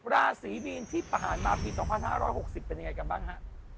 ราศีมีนที่ผ่านมาปี๒๕๖๐เป็นยังไงกันบ้างฮะ